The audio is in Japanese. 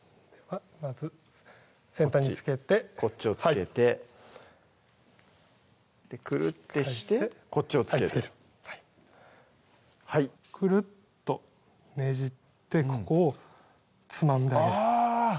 まず先端に付けてこっちを付けてくるってしてこっちを付けるはいはいくるっとねじってここをつまんであげるあぁ！